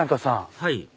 はい？